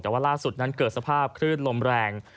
แต่ว่าล่าสุดนั้นเกิดสภาพคลื่นลมแรง